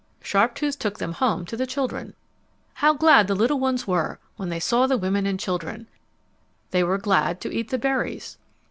Sharptooth took them home to the children. How glad the little ones were when they saw the women and children! They were glad to eat the berries.